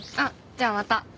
あっじゃあまた。